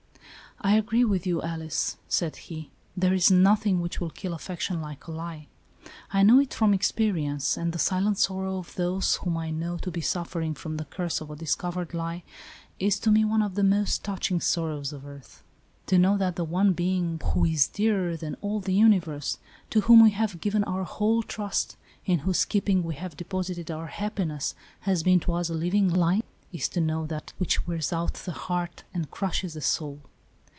" I agree with you, Alice," said he. " There is nothing which will kill affection like a lie. I know it from experience, and the silent sorrow of those whom I know to be suffering from the curse of a discovered lie, is to me one of the most touching sorrows of 'earth. To know that the one being who is dearer than all the universe, to whom we have given our whole trust, in whose keeping we have deposited our happiness, has been to us a living lie, is to know that which wears out the heart and crushes the soul.